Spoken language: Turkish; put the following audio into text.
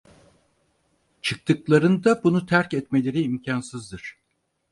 Çıktıklarında bunu terk etmeleri imkânsızdır.